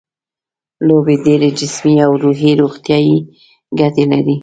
لوبې ډېرې جسمي او روحي روغتیايي ګټې لري.